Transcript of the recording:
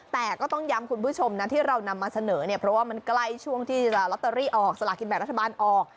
แต่ก็ต้องย้ำคุณผู้ชมนะที่เรานำมาเสนอเนี่ยเพราะว่ามันใกล้ช่วงที่ลอตเตอรี่ออกสลากินแบบรัฐบาลออก